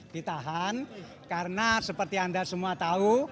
ditahan karena seperti anda semua tahu